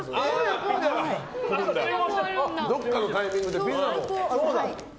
どこかのタイミングでピザを。